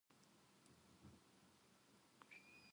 おいおい、それはマルゲリータとは言えないぜ？